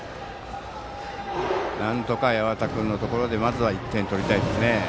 なんとか、八幡君のところでまずは１点、取りたいですね。